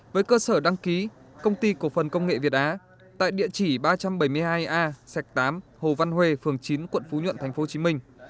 với cơ sở đăng ký công ty cổ phần công nghệ việt á tại địa chỉ ba trăm bảy mươi hai a sạch tám hồ văn huê phường chín quận phú nhuận tp hcm